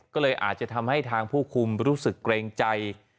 ก็เลยอาจจะทำให้ทางผู้คุมรู้สึกเกรงใจ